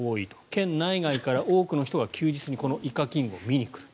県内外から多くの人が休日にこのイカキングを見に来る。